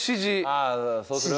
ああそうする？